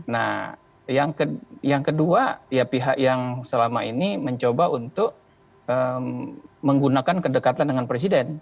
nah yang kedua ya pihak yang selama ini mencoba untuk menggunakan kedekatan dengan presiden